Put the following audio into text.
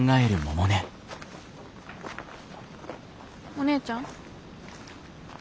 お姉ちゃん？